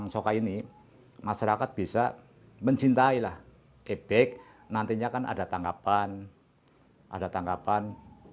orang soka ini masyarakat bisa mencintai ebek nantinya kan ada tanggapan